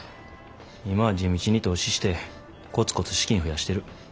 今は地道に投資してコツコツ資金増やしてる。